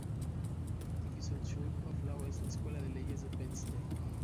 Dickinson School of Law es la escuela de leyes de Penn State.